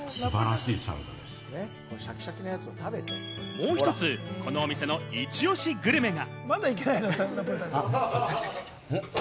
もう１つ、このお店のイチ押しグルメが。